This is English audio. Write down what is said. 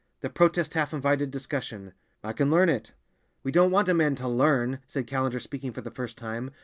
The protest half invited discussion. "I can learn it." "We don't want a man to learn," said Callender, speaking for the first time.